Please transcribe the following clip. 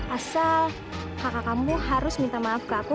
asal kakak kamu harus minta maaf ke aku